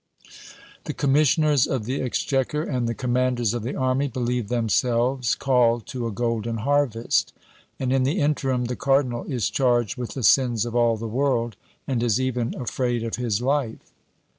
"The commissioners of the exchequer and the commanders of the army believe themselves called to a golden harvest; and in the interim the cardinal is charged with the sins of all the world, and is even afraid of his life."